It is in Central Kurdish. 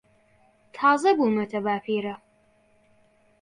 تازە بوومەتە باپیرە.